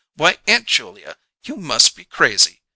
"Why, Aunt Julia, you must be crazy!